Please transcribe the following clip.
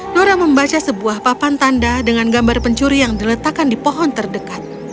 nora membaca sebuah papan tanda dengan gambar pencuri yang diletakkan di pohon terdekat